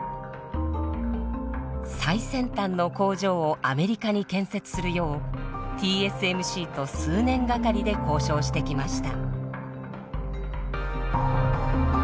最先端の工場をアメリカに建設するようＴＳＭＣと数年がかりで交渉してきました。